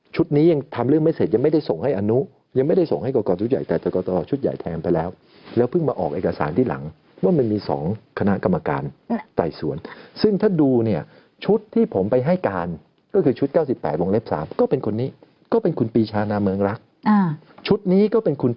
ชุดนี้ยังทำเรื่องไม่เสร็จยังไม่ได้ส่งให้อนุ